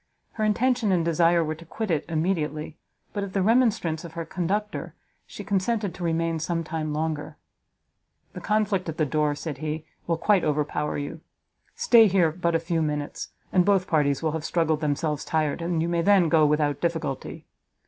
Her intention and desire were to quit it immediately, but at the remonstrance of her conductor, she consented to remain some time longer. "The conflict at the door," said he, "will quite overpower you. Stay here but a few minutes, and both parties will have struggled themselves tired, and you may then go without difficulty.